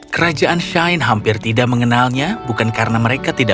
kerajaan shine hampir tidak mengenalnya bukan karena mereka tidak